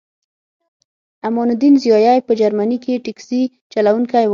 امان الدین ضیایی په جرمني کې ټکسي چلوونکی و